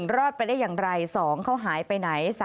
รอดไปได้อย่างไร๒เขาหายไปไหน